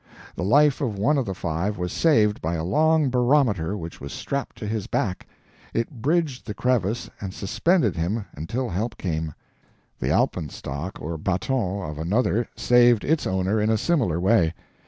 The life of one of the five was saved by a long barometer which was strapped to his back it bridged the crevice and suspended him until help came. The alpenstock or baton of another saved its owner in a similar way.